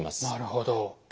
なるほど。